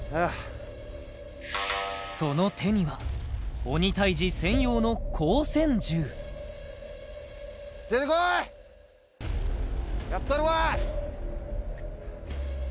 その手には鬼タイジ専用の光線銃やったるわ！